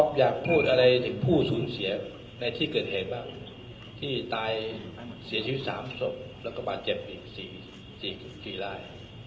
ก็อยากพูดอะไรถึงผู้ศูนย์เสียในที่เกิดเห็นป่ะที่ตายเสียชีวิตสามศพแล้วก็บาดเจ็บอีกสี่สี่สี่กี่ร้าย